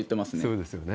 そうですよね。